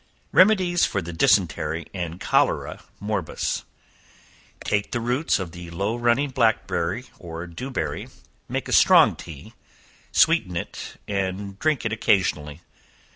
Remedies for the Dysentery and Cholera Morbus. Take the roots of the low running blackberry or dewberry; make a strong tea; sweeten it, and drink it occasionally.